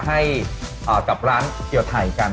ให้กับร้านเกียวไทยกัน